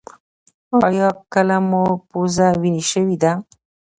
ایا کله مو پوزه وینې شوې ده؟